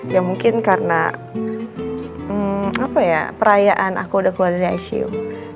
ya mungkin karena hmm apa ya perayaan aku udah keluar dari icu